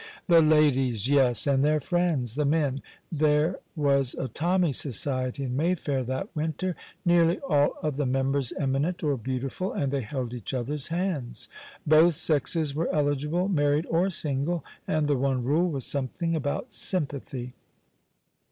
The ladies! Yes, and their friends, the men. There was a Tommy society in Mayfair that winter, nearly all of the members eminent or beautiful, and they held each other's hands. Both sexes were eligible, married or single, and the one rule was something about sympathy.